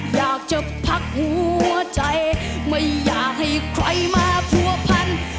อยากจะพักหัวใจไม่อยากให้ใครมาผัวพัน